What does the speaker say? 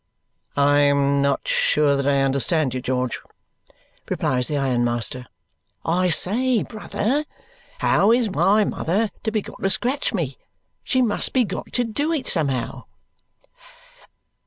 "I am not sure that I understand you, George," replies the ironmaster. "I say, brother, how is my mother to be got to scratch me? She must be got to do it somehow."